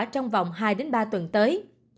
trong vòng hai ba tuần tới